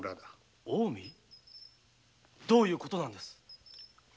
どういうことなんです。